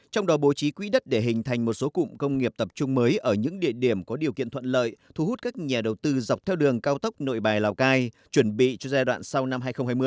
trong đó bố trí quỹ đất để hình thành một số cụm công nghiệp tập trung mới ở những địa điểm có điều kiện thuận lợi thu hút các nhà đầu tư dọc theo đường cao tốc nội bài lào cai chuẩn bị cho giai đoạn sau năm hai nghìn hai mươi